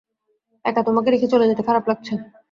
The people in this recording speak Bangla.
একা তোমাকে রেখে চলে যেতে খারাপ লাগছে।